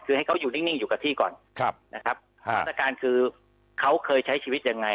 คือให้เขาอยู่นิ่งอยู่กับที่ก่อนครับนะครับมาตรการคือเขาเคยใช้ชีวิตยังไง